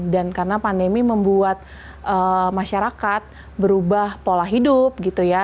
dan karena pandemi membuat masyarakat berubah pola hidup gitu ya